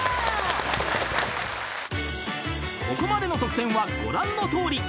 ［ここまでの得点はご覧のとおり］